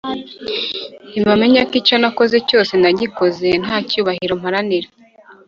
nibamenya ko icyo nakoze cyose nagikoze ntacyubahiro mparanira"